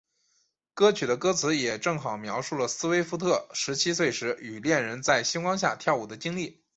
歌曲的歌词也正好描述了斯威夫特十七岁时与恋人在星光下跳舞的经历。